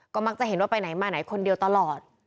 ก็มักจะเห็นว่าไปไหนมาไหนคนเดียวตลอด